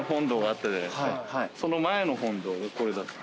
その前の本堂がこれだった。